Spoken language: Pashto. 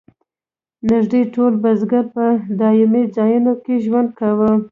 نږدې ټول بزګر په دایمي ځایونو کې ژوند کاوه.